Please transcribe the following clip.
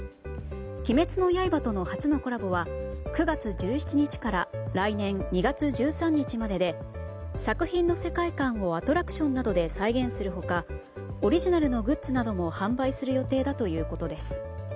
「鬼滅の刃」との初のコラボは９月１７日から来年２月１３日までで作品の世界観をアトラクションなどで再現するほかオリジナルのグッズなども販売する予定だということです。